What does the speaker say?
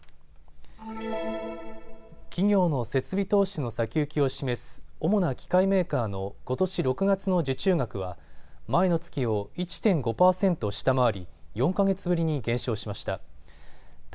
企業の設備投資の先行きを示す主な機械メーカーのことし６月の受注額は前の月を１．５％下回り４か月ぶりに減少しました。